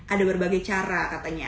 ada berbagai cara katanya